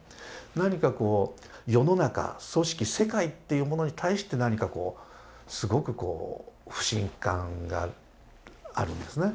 何かこう世の中組織世界っていうものに対して何かこうすごくこう不信感があるんですね。